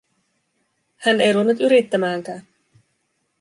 Hän ei ruvennut yrittämäänkään.